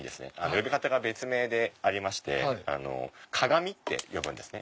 呼び方が別名でありまして鏡って呼ぶんですね